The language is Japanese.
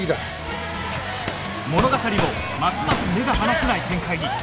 物語もますます目が離せない展開に